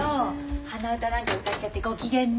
鼻歌なんか歌っちゃってご機嫌ね。